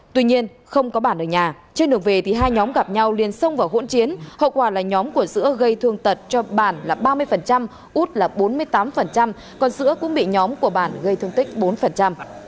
tuy nhiên không có bản ở nhà trên đường về thì hai nhóm gặp nhau liên xông vào hỗn chiến hậu quả là nhóm của giữa gây thương tật cho bản là ba mươi út là bốn mươi tám còn sữa cũng bị nhóm của bản gây thương tích bốn